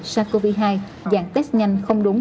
sars cov hai dạng test nhanh không đúng